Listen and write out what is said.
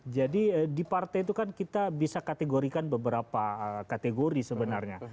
jadi di partai itu kan kita bisa kategorikan beberapa kategori sebenarnya